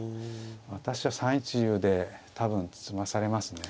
私は３一竜で多分詰まされますね。